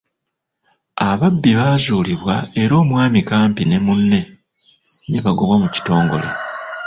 Ababbi baazuulibwa era omwami Kampi ne munne ne bagobwa mu kitongole.